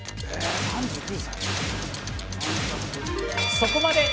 そこまで！